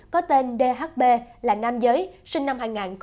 có tên dhb là nam giới sinh năm hai nghìn một mươi